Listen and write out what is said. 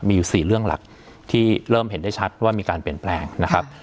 มีอยู่๔เรื่องหลักที่เริ่มเห็นได้ชัดว่ามีการเปลี่ยนแปลงนะครับ